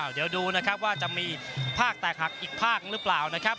เดี๋ยวดูนะครับว่าจะมีภาคแตกหักอีกภาคหรือเปล่านะครับ